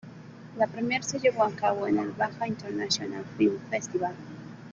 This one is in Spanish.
La premier se llevó a cabo en el "Baja International Film Festival".